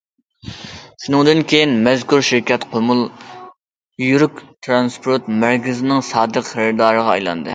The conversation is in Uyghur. شۇنىڭدىن كېيىن، مەزكۇر شىركەت قۇمۇل يۈك تىرانسپورت مەركىزىنىڭ سادىق خېرىدارىغا ئايلاندى.